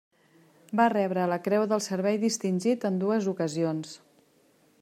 Va rebre la Creu del Servei Distingit en dues ocasions.